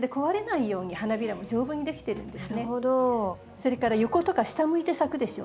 それから横とか下向いて咲くでしょ？